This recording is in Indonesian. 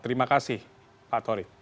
terima kasih pak tori